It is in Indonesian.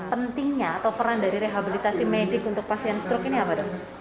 pentingnya atau peran dari rehabilitasi medik untuk pasien struk ini apa dok